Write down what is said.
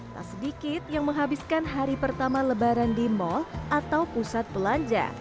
tak sedikit yang menghabiskan hari pertama lebaran di mal atau pusat belanja